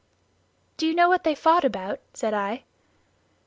"Do you know what they fought about?" said I.